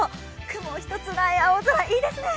雲一つない青空、いいですね。